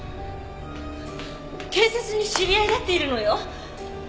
警察に知り合いだっているのよ。